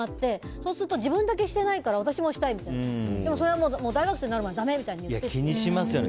そうすると自分だけしてないから私もしたいってでも、それは大学生になるまで気にしますよね。